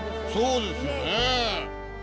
そうですよね。